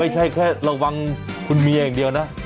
ไม่ใช่แค่ระวังคุณมียังเดียวนะ